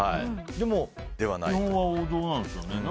でも、王道なんですよね。